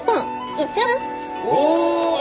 お！